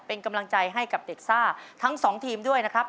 เป็นกำลังใจให้กับเด็กซ่าทั้งสองทีมด้วยนะครับ